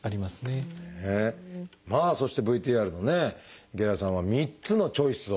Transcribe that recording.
まあそしてＶＴＲの池田さんは３つのチョイスを。